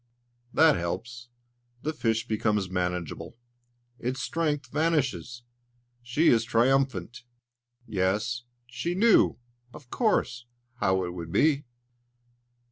That helps; the fish becomes manageable, its strength vanishes. She is triumphant. Yes, she knew, of course, how it would be!